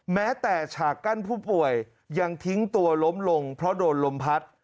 แม้แต่ฉากกั้นผู้ป่วยยังทิ้งตัวล้มลงเพราะโดนลมพัด